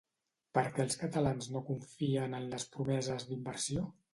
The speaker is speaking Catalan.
Per què els catalans no confien en les promeses d'inversió?